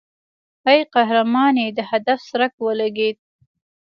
ای قهرمانې د هدف څرک ولګېد.